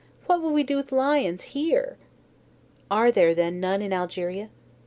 What would we do with lions here?" "Are there, then, none in Algeria?"